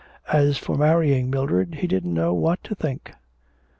As for marrying Mildred he didn't know what to think.